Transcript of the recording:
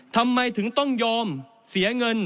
ทำไมถึงต้องยอมเสียเงิน